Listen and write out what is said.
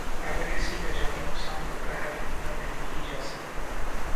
اگر کسی کا جانی نقصان ہوتا ہے تو پورا نہیں کی جا سکتی